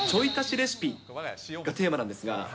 レシピがテーマなんですが。